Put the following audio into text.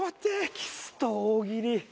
キスと大喜利。